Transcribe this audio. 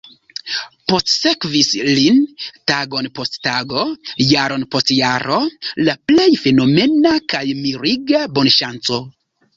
Postsekvis lin, tagon post tago, jaron post jaro, la plej fenomena kaj miriga bonŝanco.